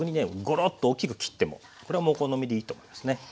ごろっと大きく切ってもこれはお好みでいいと思いますね。